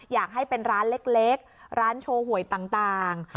อยากให้เป็นร้านเล็กร้านโชว์หวยต่าง